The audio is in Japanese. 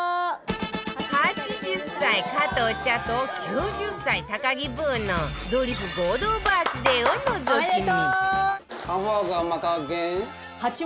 ８０歳加藤茶と９０歳高木ブーのドリフ合同バースデーをのぞき見